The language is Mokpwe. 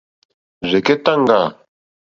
Rzɛ̀kɛ́táŋɡâ.